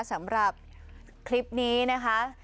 สำหรับคลิปนี้นะคะ